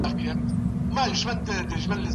جهاد د باطل د له منځه وړلو لاره ده.